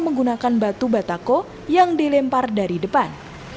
menggunakan batu batako yang dilempar dari depan